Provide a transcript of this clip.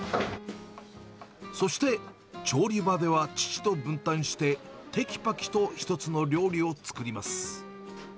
そして、調理場では父と分担して、てきぱきと一つの料理を作ります。